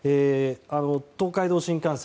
東海道新幹線